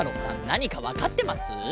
なにかわかってます？